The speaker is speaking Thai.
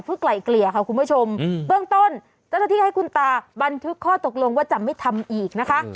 เพื่อไกลเกลี่ยค่ะคุณผู้ชมเบื้องต้นเจ้าหน้าที่ให้คุณตาบันทึกข้อตกลงว่าจะไม่ทำอีกนะคะ